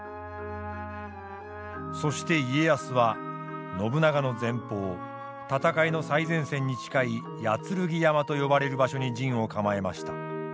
そして家康は信長の前方戦いの最前線に近い八剱山と呼ばれる場所に陣を構えました。